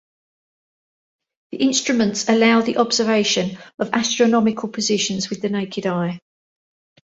The instruments allow the observation of astronomical positions with the naked eye.